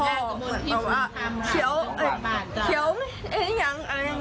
เหมือนกับว่าเขียวอะไรอย่างเงี้ย